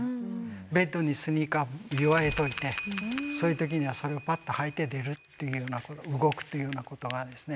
ベッドにスニーカー結わえといてそういう時にはそれをパッと履いて出るっていうような動くというようなことがですね